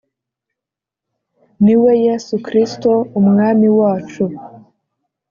ni we Yesu Kristo Umwami wacu